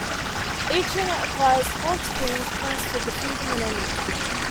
Each unit acquires four experience points for defeating an enemy.